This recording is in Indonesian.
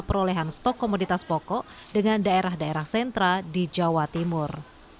perolehan stok komoditas pokok dengan daerah daerah sentra di jawa timur